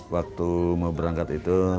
waktu mau berangkat itu